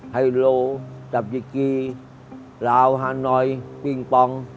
ไฮโลกับดิกีลาวฮานอยปิงปอง